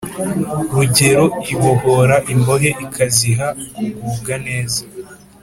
Rugero ibohora imbohe ikaziha kugubwa neza